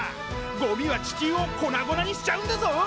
ゴミは地球を粉々にしちゃうんだぞ！